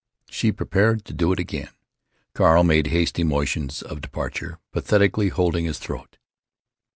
She prepared to do it again. Carl made hasty motions of departure, pathetically holding his throat.